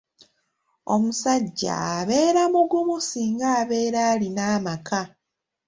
Omusajja abeera mugumu singa abeera alina amaka.